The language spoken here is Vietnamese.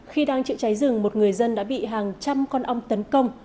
khi đang chịu cháy rừng một người dân đã bị hàng trăm con ong tấn công